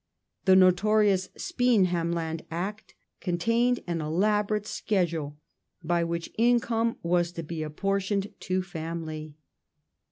The notorious " Speenhamland Act " contained an elaborate schedule, by which income was to be apportioned to family.